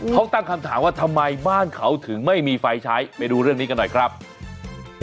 เขาตั้งคำถามว่าทำไมบ้านเขาถึงไม่มีไฟใช้ไปดูเรื่องนี้กันหน่อยครับ